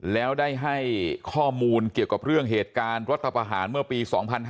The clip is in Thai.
แล้วได้ให้ข้อมูลเกี่ยวกับเรื่องเหตุการณ์รัฐประหารเมื่อปี๒๕๕๙